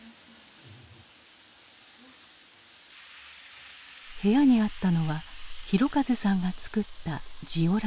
部屋にあったのは広和さんが作ったジオラマ。